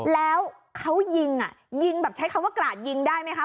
แล้วเขายิงอ่ะยิงแบบใช้คำว่ากราดยิงได้ไหมคะ